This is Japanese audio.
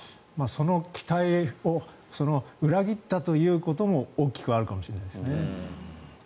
その期待を裏切ったということも大きくあるかもしれないですね。